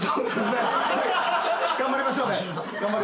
頑張りましょうね。